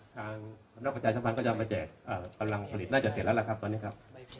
ทางสำนักประชาสัมพันธ์ก็จะเอามาแจกกำลังผลิตน่าจะเสร็จแล้วล่ะครับตอนนี้ครับ